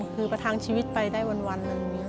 คือไปทางชีวิตไปได้วัน